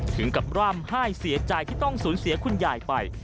ถึงกับร่ำไห้เสียใจที่ต้องสูญเสียคุณยายไป